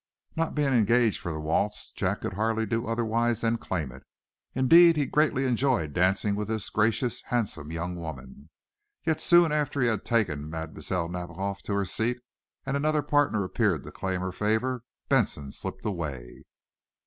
Not being engaged for that waltz, Jack could hardly do, otherwise than claim it. Indeed, he greatly enjoyed dancing with this gracious, handsome young woman. Yet, soon after he had taken Mlle. Nadiboff to her seat, and another partner appeared to claim her favor, Benson slipped away.